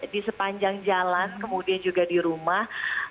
di sepanjang jalan kemudian juga di rumah